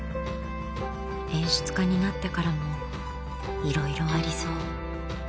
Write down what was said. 演出家になってからもいろいろありそう。